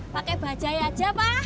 pakai bajaj aja pa